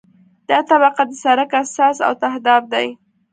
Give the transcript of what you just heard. دا طبقه د سرک اساس او تهداب دی